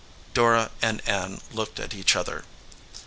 Dora and Ann looked at each other.